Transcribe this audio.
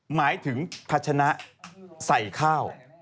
หมายถึงพัชนะใส่ข้าว